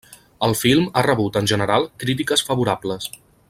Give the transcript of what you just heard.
El film ha rebut, en general, crítiques favorables.